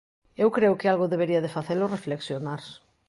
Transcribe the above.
Eu creo que algo debería de facelo reflexionar.